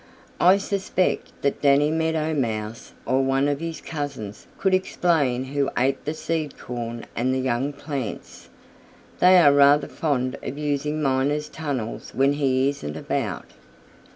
I suspect that Danny Meadow Mouse or one of his cousins could explain who ate the seed corn and the young plants. They are rather fond of using Miner's tunnels when he isn't about."